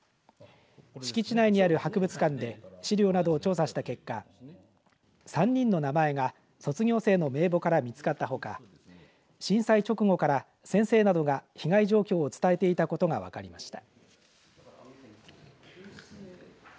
敷地内にある博物館で資料などを調査した結果３人の名前が卒業生の名簿から見つかったほか震災直後から先生などが被害状況を伝えていたことが分かりました。